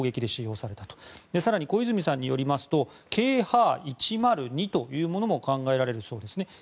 更に小泉さんによりますとＫｈ１０２というものも考えられるそうですね。